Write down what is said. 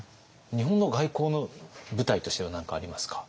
日本の外交の舞台としては何かありますか？